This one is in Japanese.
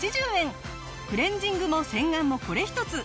クレンジングも洗顔もこれ一つ。